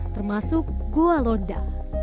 termasuk goa londa